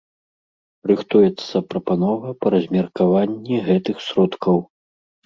Рыхтуецца прапанова па размеркаванні гэтых сродкаў.